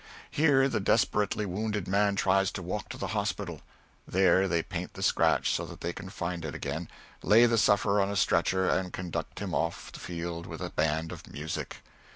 Here the desperately wounded man tries to walk to the hospital; there they paint the scratch so that they can find it again, lay the sufferer on a stretcher, and conduct him off the field with a band of music.